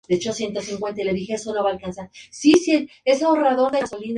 Una vez finalizada la temporada rescinde contrato con el filial perico y queda libre.